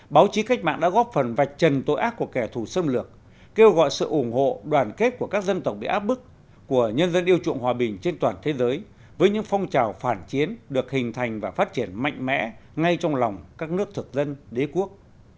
báo chí cách mạng đã góp phần vạch trần tội ác của kẻ thù xâm lược kêu gọi sự ủng hộ đoàn kết của các dân tộc bị áp bức của nhân dân yêu chuộng hòa bình trên toàn thế giới với những phong trào phản chiến được hình thành và phát triển mạnh mẽ ngay trong lòng các nước thực dân đế quốc